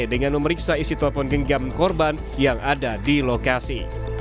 dengan memeriksa isi telepon genggam korban yang ada di lokasi